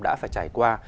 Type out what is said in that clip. đã phải trải qua